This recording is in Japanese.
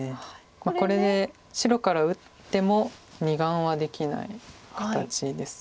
これで白から打っても２眼はできない形です。